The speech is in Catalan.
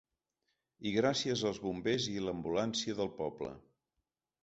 I gràcies als bombers i l'ambulància del poble.